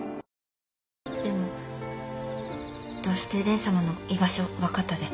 でもどうして蓮様の居場所分かったでえ？